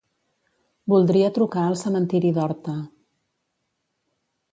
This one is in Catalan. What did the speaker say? Voldria trucar al cementiri d'Horta.